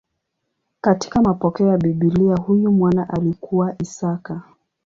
Katika mapokeo ya Biblia huyu mwana alikuwa Isaka.